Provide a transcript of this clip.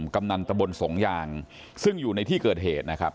กำนันตะบนสงยางซึ่งอยู่ในที่เกิดเหตุนะครับ